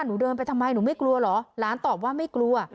หนูเดินไปทำไมหนูไม่กลัวเหรอหลานตอบว่าไม่กลัว